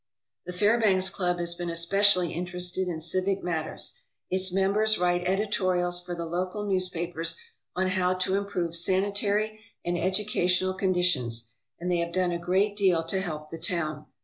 The Fairbanks Club has been especially interested in civic matters. Its members write editorials for the local newspapers on how to improve sanitary and educational conditions; and they have done a great deal to help the town.